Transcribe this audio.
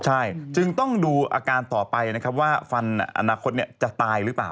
ใช่จึงต้องดูอาการต่อไปนะครับว่าฟันอนาคตจะตายหรือเปล่า